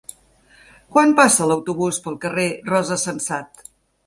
Quan passa l'autobús pel carrer Rosa Sensat?